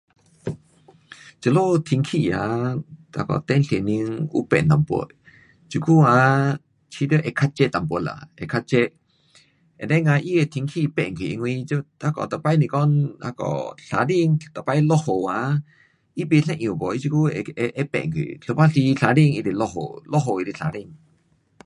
这里天气啊，那个前十年有变一点。这久啊觉得会较热一点啦。会较热。and then 啊它的天气变掉，因为那个每次是讲那个晴天，每天下雨哈，它不一样 um 它这久会，会变去，有半时晴天它就落雨，落雨它就晴天。